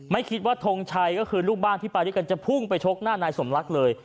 ไม่คิดว่าทงชัยก็คือลูกบ้านที่ไปด้วยกันจะพุ่งไปชกหน้านายสมรักเลย